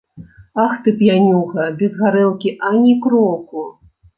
Ах ты, п'янюга, без гарэлкі ані кроку.